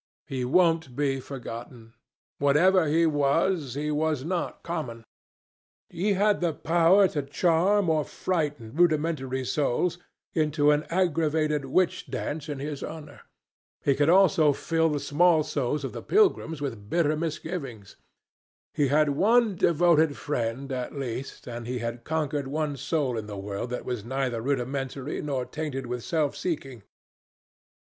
He won't be forgotten. Whatever he was, he was not common. He had the power to charm or frighten rudimentary souls into an aggravated witch dance in his honor; he could also fill the small souls of the pilgrims with bitter misgivings: he had one devoted friend at least, and he had conquered one soul in the world that was neither rudimentary nor tainted with self seeking.